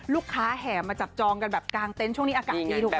แห่มาจับจองกันแบบกลางเต็นต์ช่วงนี้อากาศดีถูกไหม